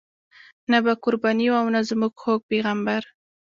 نه به قرباني وه او نه زموږ خوږ پیغمبر.